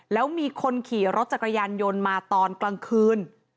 แล้วมีคนขี่รถจักรยานยนต์มาตอนกลางคืน